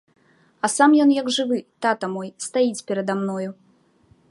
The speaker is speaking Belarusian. А сам ён, як жывы, тата мой, стаіць перада мною.